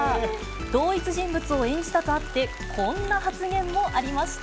同一人物を演じたとあって、こんな発言もありました。